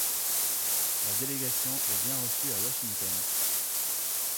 La délégation est bien reçue à Washington.